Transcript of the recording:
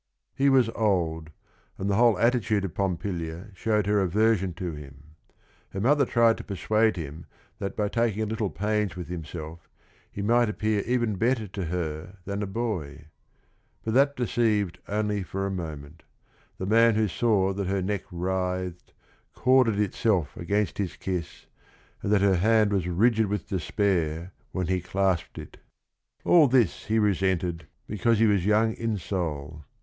7 He was old, and the whole attitude of Pompilia showed her aversion to him. Her mother tried to persuade him that by taking a litde pains with himself he might appear even better to her than a boy. But that deceived only for a moment, the man who saw that her neck writhed, corded itself against his kiss, and that her hand was rigid with despair when he clasped it All this he resented because he was young in soul.